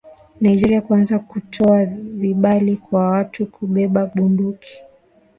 Nigeria kuanza kutoa vibali kwa watu kubeba bunduki.